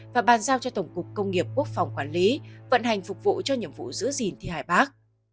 và bàn giao cho tổng cục công nghiệp quốc phòng quản lý vận hành phục vụ cho nhiệm vụ giữ gìn thi hài bắc